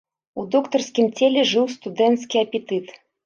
У доктарскім целе жыў студэнцкі апетыт.